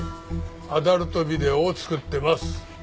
アダルトビデオを作ってます。